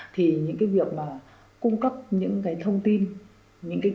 thì những việc cung cấp những thông tin những kỹ năng